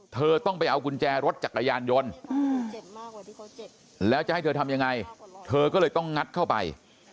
เธอต้องไปเอากุญแจรถจักรยานยนต์แล้วจะให้เธอทำยังไงเธอก็เลยต้องงัดเข้าไป